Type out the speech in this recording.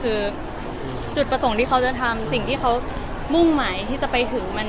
คือจุดประสงค์ที่เขาจะทำสิ่งที่เขามุ่งหมายที่จะไปถึง